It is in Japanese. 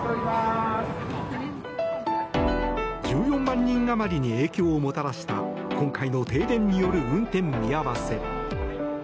１４万人余りに影響をもたらした今回の停電による運転見合わせ。